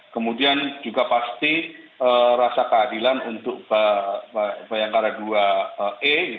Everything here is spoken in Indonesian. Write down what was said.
kemudian juga pasti rasa keadilan untuk bayangkara dua e